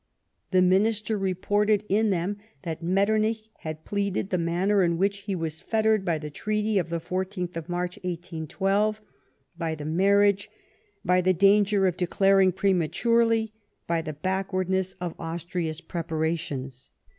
The Minister reported in them that ]\Ietternich had pleaded the manner in which he was fettered by the treaty of the 1 lth jNIarch, 1812 ; by the marriage ; by the danger of declaring prematurely ; by the backwardness of Austria's preparations.